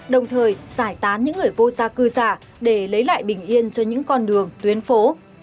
đồng thời giải tán những người vô gia cư giả để lấy lại bình yên cho những con đường tuyến phố